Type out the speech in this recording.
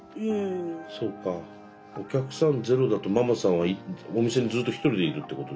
お客さんゼロだとママさんはお店にずっとひとりでいるってことでしょ？